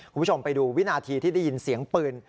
คุณผู้ชมไปดูวินาทีที่ได้ยินเสียงปืน